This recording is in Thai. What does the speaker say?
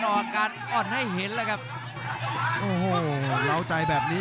รับทราบบรรดาศักดิ์